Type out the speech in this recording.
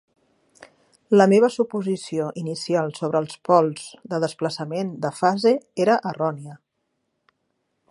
La meva suposició inicial sobre el pols de desplaçament de fase era errònia.